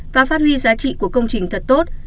và phát huy giá trị của công trình thật tốt